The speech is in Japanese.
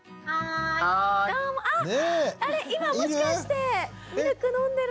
あれ今もしかしてミルク飲んでるのは。